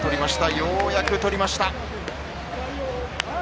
ようやく取りました。